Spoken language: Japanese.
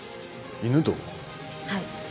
はい。